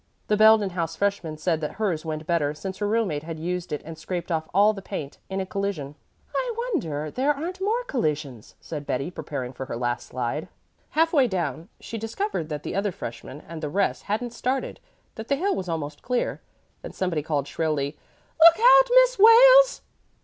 The Belden House freshman said that hers went better since her roommate had used it and scraped off all the paint in a collision. "I wonder there aren't more collisions," said Betty, preparing for her last slide. Half way down she discovered that the other freshman and the rest hadn't started that the hill was almost clear. Then somebody called shrilly, "Look out, Miss Wales."